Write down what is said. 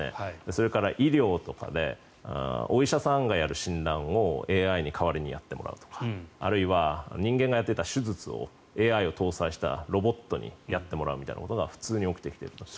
それから医療とかでお医者さんがやる診断をＡＩに代わりにやってもらうとかあるいは人間がやっていた手術をＡＩを搭載したロボットにやってもらうみたいなことが普通に起きてきている。